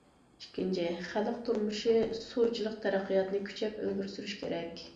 ئىككىنچى، خەلق تۇرمۇشى سۇچىلىق تەرەققىياتىنى كۈچەپ ئىلگىرى سۈرۈش كېرەك.